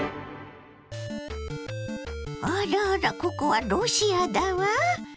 あらあらここはロシアだわ。